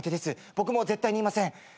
僕も絶対に言いません。